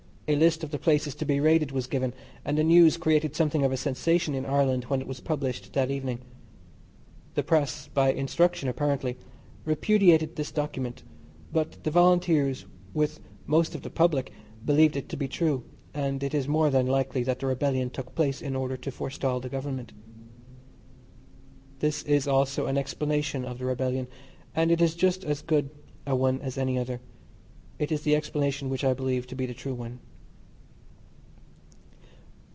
A list of the places to be raided was given, and the news created something of a sensation in Ireland when it was published that evening. The Press, by instruction apparently, repudiated this document, but the Volunteers, with most of the public, believed it to be true, and it is more than likely that the rebellion took place in order to forestall the Government. This is also an explanation of the rebellion, and is just as good a one as any other. It is the explanation which I believe to be the true one.